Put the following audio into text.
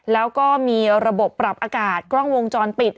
แล้วก็มีระบบปรับอากาศกล้องวงจรปิด